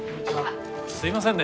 すいませんね